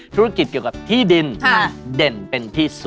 ธุรกิจเกี่ยวกับที่ดินเด่นเป็นที่สุด